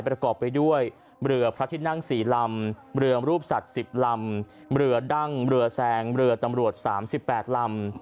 ประกอบไปด้วยเรือพระที่นั่ง๔ลำเรือรูปสัตว์๑๐ลำเรือดั้งเรือแซงเรือตำรวจ๓๘ลำ